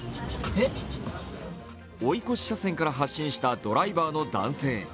追い越し車線から発進したドライバーの男性。